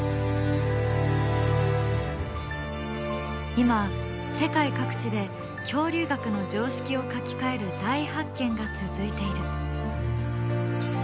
今世界各地で恐竜学の常識を書き換える大発見が続いている。